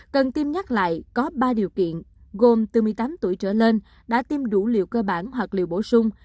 cần tiêm nhắc lại có ba điều kiện gồm bốn mươi tám tuổi trở lên đã tiêm đủ liều cơ bản hoặc liều bổ sung